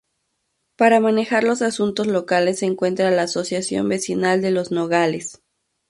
Para manejar los asuntos locales se encuentra la Asociación Vecinal de Los Nogales.